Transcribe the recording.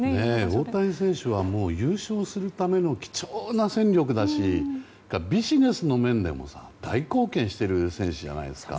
大谷選手は優勝するための貴重な戦力だしビジネスの面でも大貢献してる選手じゃないですか。